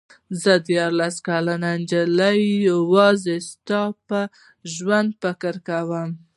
زه دیارلس کلنې نجلۍ یوازې ستا په ژوند فکر کاوه.